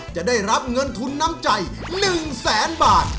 จะได้รับเงินทุนน้ำใจ๑แสนบาท